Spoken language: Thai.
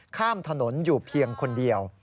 ข้ามถนนอยู่เพียงคนเดียว